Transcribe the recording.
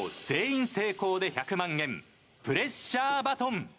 全員成功で１００万円プレッシャーバトン。